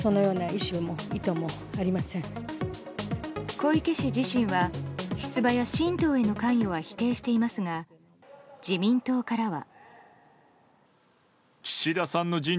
小池氏自身は、出馬や新党への関与は否定していますが自民党からは。